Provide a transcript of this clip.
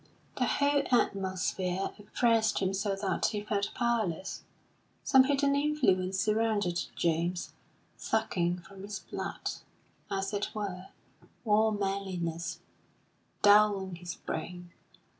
The whole atmosphere oppressed him so that he felt powerless; some hidden influence surrounded James, sucking from his blood, as it were, all manliness, dulling his brain.